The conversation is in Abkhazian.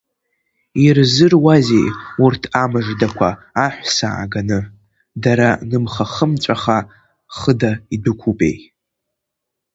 Ирзыруазеи урҭ амыждақәа аҳәса ааганы, дара нымха-хымҵәаха, хыда идәықәупеи?